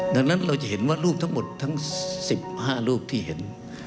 ดังนั้นเราจะเห็นว่ารูปทั้งหมดทั้ง๑๕รูปที่เห็น